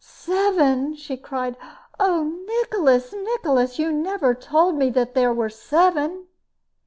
"Seven!" she cried; "oh, Nicholas, Nicholas, you never told me there were seven!"